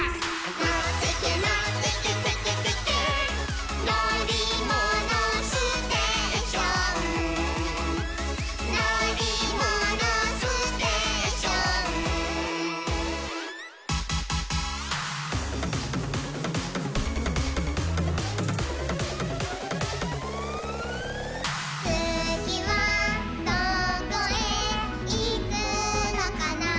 「のってけのってけテケテケ」「のりものステーション」「のりものステーション」「つぎはどこへいくのかな」